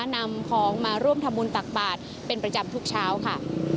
นำของมาร่วมทำบุญตักบาทเป็นประจำทุกเช้าค่ะ